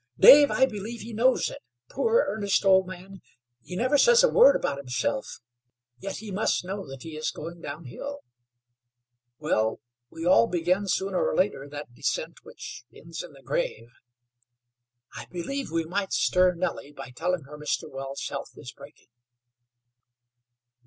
"Dave, I believe he knows it. Poor, earnest old man! He never says a word about himself, yet he must know he is going down hill. Well, we all begin, sooner or later, that descent which ends in the grave. I believe we might stir Nellie by telling her Mr. Wells' health is breaking."